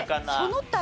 その他。